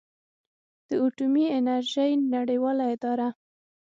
د اټومي انرژۍ نړیواله اداره